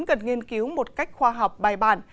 cần nghiên cứu một cách khoa học bài bản